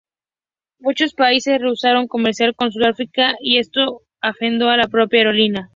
Muchos países rehusaron comerciar con Sudáfrica, y esto afectó a la propia aerolínea.